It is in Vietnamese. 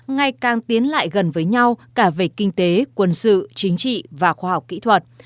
ngày càng tiến lại gần với nhau cả về kinh tế quân sự chính trị và khoa học kỹ thuật